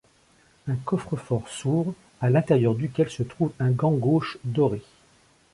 Un coffre-fort s'ouvre, à l'intérieur duquel se trouve un gant gauche doré.